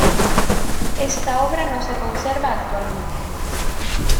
Esta obra no se conserva actualmente.